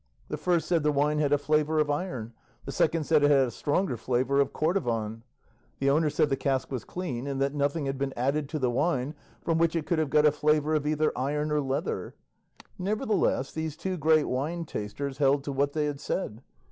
The first said the wine had a flavour of iron, the second said it had a stronger flavour of cordovan. The owner said the cask was clean, and that nothing had been added to the wine from which it could have got a flavour of either iron or leather. Nevertheless, these two great wine tasters held to what they had said.